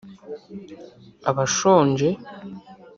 abashonje